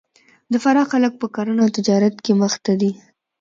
د فراه خلک په کرهنه او تجارت کې مخ ته دي